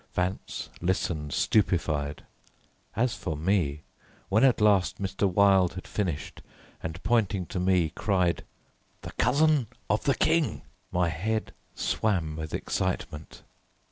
Vance listened stupefied. As for me, when at last Mr. Wilde had finished, and pointing to me, cried, "The cousin of the King!" my head swam with excitement.